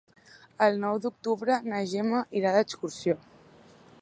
El nou d'octubre na Gemma irà d'excursió.